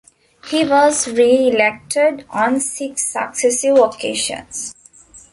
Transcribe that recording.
He was re-elected on six successive occasions.